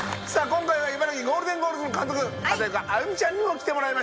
今回は茨城ゴールデンゴールズの監督片岡安祐美ちゃんにも来てもらいました！